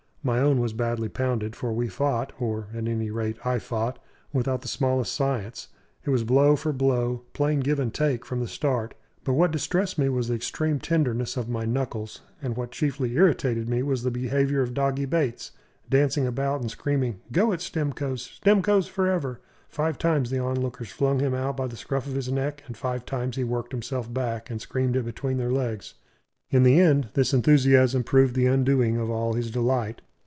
My own was badly pounded; for we fought or, at any rate, I fought without the smallest science; it was blow for blow, plain give and take, from the start. But what distressed me was the extreme tenderness of my knuckles; and what chiefly irritated me was the behaviour of Doggy Bates, dancing about and screaming, "Go it, Stimcoes! Stimcoes for ever!" Five times the onlookers flung him out by the scruff of his neck; and five times he worked himself back, and screamed it between their legs. In the end this enthusiasm proved the undoing of all his delight.